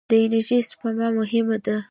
د انرژۍ سپما مهمه ده.